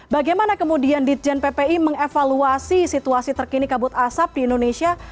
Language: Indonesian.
bagaimana kemudian ditjen ppi mengevaluasi situasi terkini kabut asap di indonesia